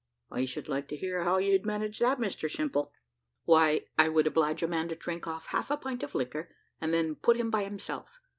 "I should like to hear how you'd manage that, Mr Simple." "Why, I would oblige a man to drink off a half pint of liquor, and then put him by himself.